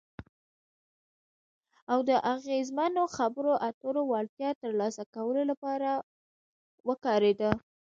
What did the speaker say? او د اغیزمنو خبرو اترو وړتیا ترلاسه کولو لپاره وکارېده.